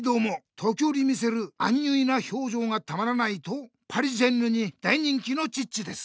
時おり見せるアンニュイな表情がたまらないとパリジェンヌに大人気のチッチです。